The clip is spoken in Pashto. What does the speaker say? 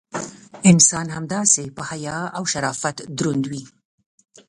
انسان همداسې: په حیا او شرافت دروند وي.